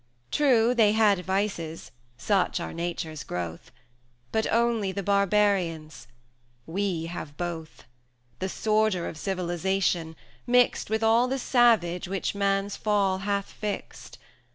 True, they had vices such are Nature's growth But only the barbarian's we have both; The sordor of civilisation, mixed With all the savage which Man's fall hath fixed.